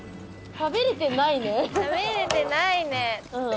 食べれてないのね。